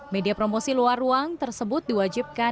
media promosi luar ruang tersebut diwajibkan